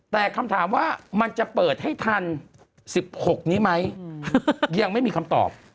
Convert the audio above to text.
แต่คำถามว่ามันจะเปิดให้ทัน๑๖นี้ไหมยังไม่มีคำตอบ